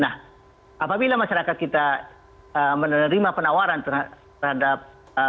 nah apabila masyarakat kita menerima penawaran terhadap